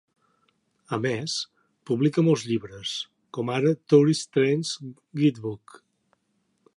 A més, publica molts llibres, com ara "Tourist Trains Guidebook".